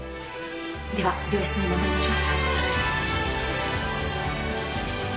では病室に戻りましょう。